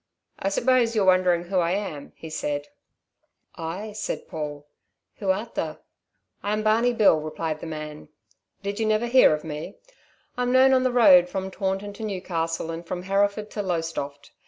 "I suppose you're wondering who I am?" said he. "Ay," said Paul. "Who art tha?" "I'm Barney Bill," replied the man. "Did you never hear of me? I'm known on the road from Taunton to Newcastle and from Hereford to Lowestoft.